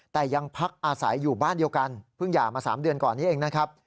แต่ยังพักอาศัยอยู่บ้านเดียวกันเพิ่งหย่ามา๓เดือนก่อนนี้เองนะครับ